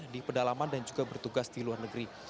di pedalaman dan juga bertugas di luar negeri